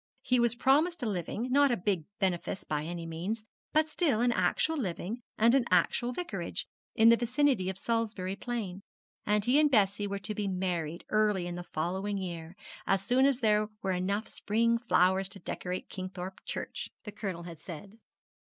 He was promised a living, not a big benefice by any means, but still an actual living and an actual Vicarage, in the vicinity of Salisbury Plain; and he and Bessie were to be married early in the following year, as soon as there were enough spring flowers to decorate Kingthorpe Church, the Colonel had said.